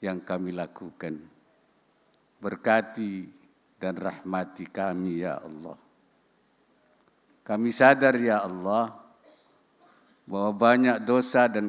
yang kami lakukan berkati dan rahmati kami ya allah kami sadar ya allah bahwa banyak dosa dan